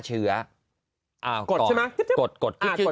เช็ดแรงไปนี่